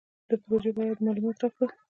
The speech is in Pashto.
د پروژې په اړه یې مالومات راکړل.